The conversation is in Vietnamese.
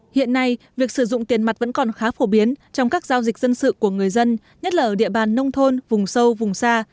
hiện nay việc sử dụng tiền mặt vẫn còn khá phổ biến trong các giao dịch dân sự của người dân nhất là ở địa bàn nông thôn vùng sâu vùng xa